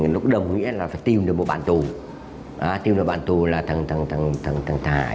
lúc đồng nghĩa là phải tìm được một bản tù tìm được bản tù là thằng thằng thằng thằng thằng thằng